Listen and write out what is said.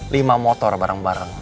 lima motor bareng bareng